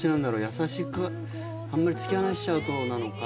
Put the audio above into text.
優しくあんまり突き放しちゃうとなのか